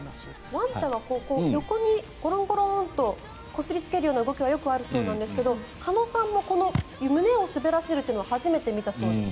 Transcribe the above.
ワンちゃんは横にゴロンゴロンとこすりつけるような動きはよくあるそうなんですが鹿野さんもこの胸を滑らせるというのは初めて見たそうです。